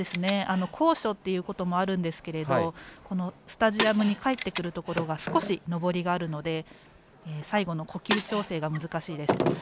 高所っていうところもあるんですけれどもスタジアムに帰ってくるところが少し、上りがあるので最後の呼吸調整が難しいです。